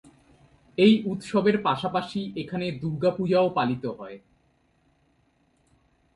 এই উৎসবের পাশাপাশি এখানে দুর্গাপূজাও পালিত হয়।